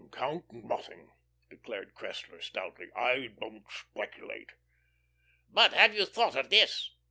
"Count nothing," declared Cressler, stoutly. "I don't speculate." "But have you thought of this?"